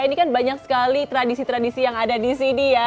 ini kan banyak sekali tradisi tradisi yang ada di sini ya